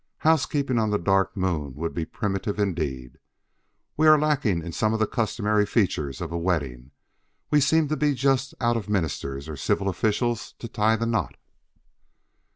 Housekeeping on the Dark Moon would be primitive indeed. "We are lacking in some of the customary features of a wedding; we seem to be just out of ministers or civil officials to tie the knot."